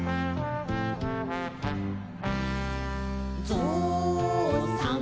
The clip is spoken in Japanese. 「ぞうさん